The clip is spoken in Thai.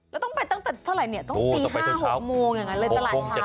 แล้วต้องไปตั้งแต่เท่าไหร่เนี่ยต้องตี๕๖โมงอย่างนั้นเลยตลาดเช้า